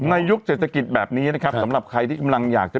ยุคเศรษฐกิจแบบนี้นะครับสำหรับใครที่กำลังอยากจะ